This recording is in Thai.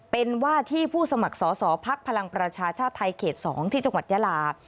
เป็นว่าที่ผู้สมัครสอสอภักดิ์พลังประชาชาติไทยเขต๒ที่จังหวัดยาลา